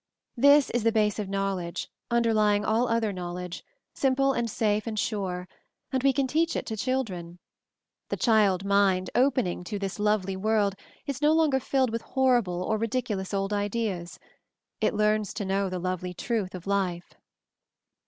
"This is the base of knowledge, underly 200 MOVING THE MOUNTAIN ing all other knowledge, simple and safe and sure — and we can teach it to children 1 The child mind, opening to this lovely world, is no longer filled with horrible or ridiculous old ideas — it learns to know the lovely truth of life."